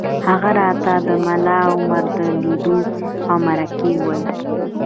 هغه راته د ملا عمر د لیدو او مرکې وویل